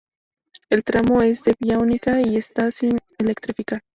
El tramo es de vía única y está sin electrificar.